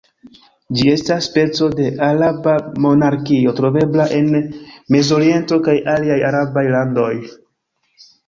Ĝi estas speco de araba monarkio, trovebla en mezoriento kaj aliaj arabaj landoj.